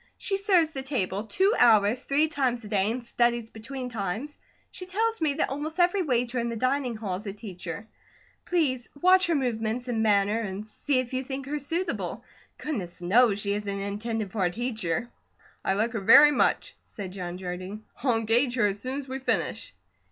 She serves the table two hours, three times a day, and studies between times. She tells me that almost every waiter in the dining hall is a teacher. Please watch her movements and manner and see if you think her suitable. Goodness knows she isn't intended for a teacher." "I like her very much," said John Jardine. "I'll engage her as soon as we finish."